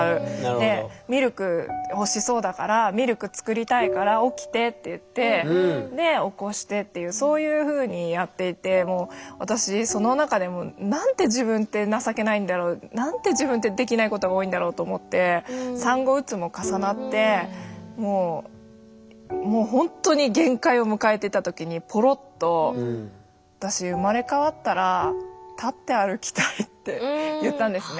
でミルク欲しそうだからミルク作りたいから起きてって言ってで起こしてっていうそういうふうにやっていてもう私その中でなんて自分ってできないことが多いんだろうと思って産後うつも重なってもうもうほんとに限界を迎えてた時にぽろっとって言ったんですね。